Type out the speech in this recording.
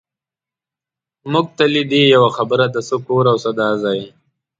مونږ ته لیدې، یوه خبره ده، څه کور او څه دا ځای.